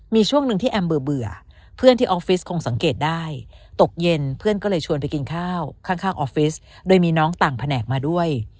มีช่วงหนึ่งที่แอมเบื่อเพื่อนที่ออฟฟิศคงสังเกตได้ตกเย็นเพื่อนก็เลยชวนไปกินข้าวข้างออฟฟิศโดยมีน้องต่างแผนกมาด้วย